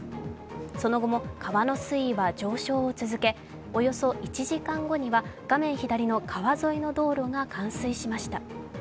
その後も川の水位は上昇を続け、およそ１時間後には画面左の川沿いの道路が冠水しました。